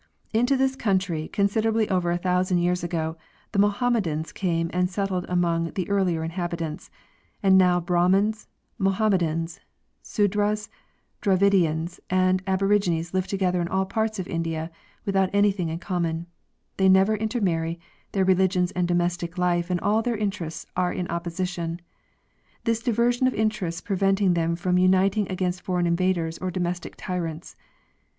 Into this country, considerably over a thousand years ago, the Mohammedans came and settled among the earlier inhabitants ; and now Brahmins, Mohammedans, Sudras, Dravidians and aborigines live together in all parts of India without anything in common—they never intermarry, their religious and domestic life and all their interests are in opposition ; this diversion of in terests preventing them from uniting against foreign invaders or domestic tyrants.